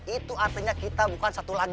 itu artinya kita bukan satu lagi